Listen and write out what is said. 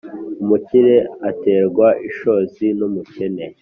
umukire aterwa ishozi n’umukene